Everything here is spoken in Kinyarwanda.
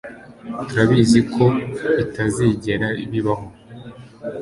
Turabizi ko bitazigera bibaho.